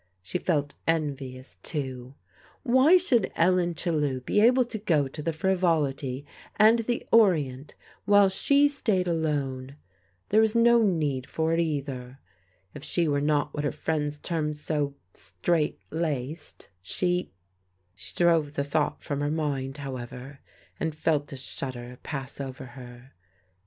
She felt envious, too. Why should Ellen Chellew be able to go to the Frivolity and the Orient, while she stayed alone? There was no need for it either. If she were not what her friends termed so straight laced, she She drove the thought from her mind, however, and felt a shudder pass over her.